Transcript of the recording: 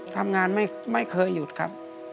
ทำงานไม่เคยหยุดครับ